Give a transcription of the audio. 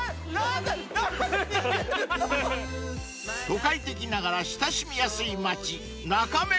［都会的ながら親しみやすい町］